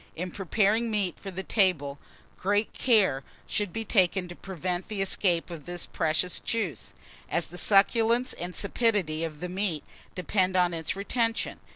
In preparing meat for the table, great care should be taken to prevent the escape of this precious juice, as the succulence and sapidity of the meat depend on its retention.